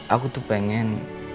aku tuh pengen